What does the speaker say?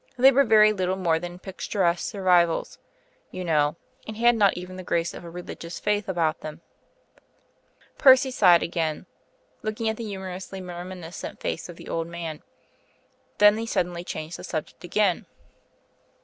They were very little more than picturesque survivals, you know; and had not even the grace of a religious faith about them." Percy sighed again, looking at the humorously reminiscent face of the old man. Then he suddenly changed the subject again.